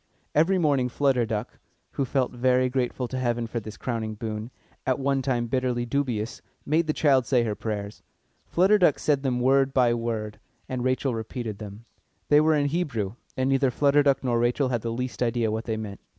Every morning Flutter Duck, who felt very grateful to Heaven for this crowning boon, at one time bitterly dubious, made the child say her prayers. Flutter Duck said them word by word, and Rachel repeated them. They were in Hebrew, and neither Flutter Duck nor Rachel had the least idea what they meant.